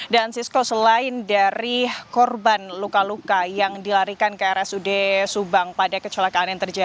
sisko selain dari korban luka luka yang dilarikan ke rsud subang pada kecelakaan yang terjadi